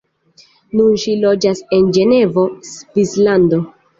Nun ŝi loĝas en Ĝenevo, Svislando.